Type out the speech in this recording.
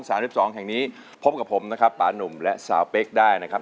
สองแห่งนี้พบกับผมนะครับปานุ่มและสาวเป๊กได้นะครับ